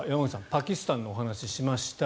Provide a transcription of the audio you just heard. パキスタンのお話をしました